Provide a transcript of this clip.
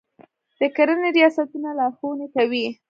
د کرنې ریاستونه لارښوونې کوي.